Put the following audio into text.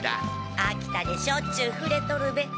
秋田でしょっちゅう触れとるべ。